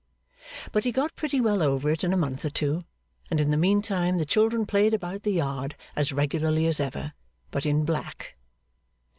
But he got pretty well over it in a month or two; and in the meantime the children played about the yard as regularly as ever, but in black.